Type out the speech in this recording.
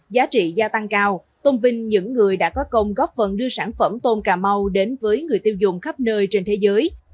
giá trị gia tăng cao tôn vinh những người đã có công góp phần đưa sản phẩm tôm cà mau đến với người tiêu dùng khắp nơi trên thế giới